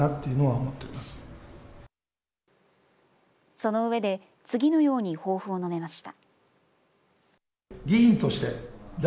その上で、次のように抱負を述べました。